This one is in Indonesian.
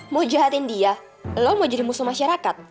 mau jahatin dia lo mau jadi musuh masyarakat